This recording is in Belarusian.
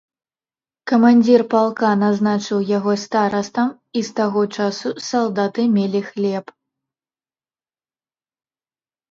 Камандзір палка назначыў яго старастам, і з таго часу салдаты мелі хлеб.